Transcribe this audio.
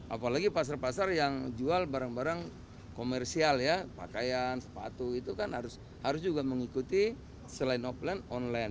apalagi pasar pasar yang jual barang barang komersial ya pakaian sepatu itu kan harus juga mengikuti selain offline online